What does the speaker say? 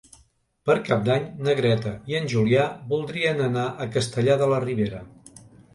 Per Cap d'Any na Greta i en Julià voldrien anar a Castellar de la Ribera.